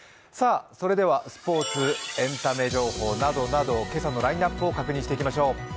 それではスポーツ、エンタメ情報などなど今朝のラインナップを確認していきましょう。